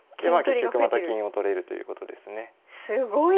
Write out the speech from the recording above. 結局また金を取れるということですね。